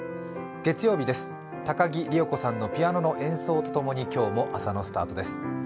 月曜日です、高木里代子さんのピアノの演奏と共に、今日も朝のスタートです。